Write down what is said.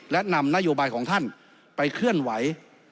และนำนโยบายของท่านไปเคลื่อนไหว